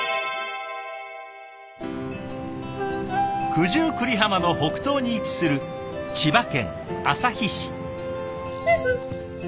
九十九里浜の北東に位置する千葉県旭市。